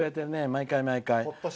毎回、毎回。